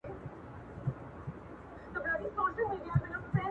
زما ژوند خو هم هغسې بې سره لېونتوب دے